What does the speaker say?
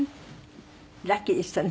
ラッキーでしたね。